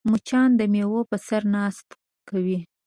مچان د میوو په سر ناسته کوي